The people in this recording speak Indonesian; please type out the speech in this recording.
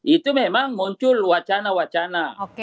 itu memang muncul wacana wacana